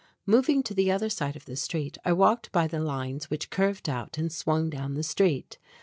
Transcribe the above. Moving to the other side of the street I walked by the lines which curved out and swung down the street.